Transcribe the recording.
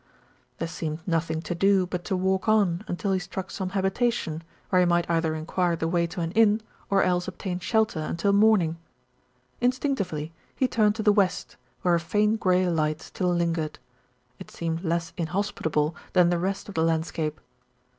There seemed nothing to do but to walk on until he struck some habitation, where he might either en quire the way to an inn, or else obtain shelter until THE GIRL AT THE WINDOW 23 morning. Instinctively he turned to the west, where a faint grey light still lingered. It seemed less inhos pitable than the rest of the landscape.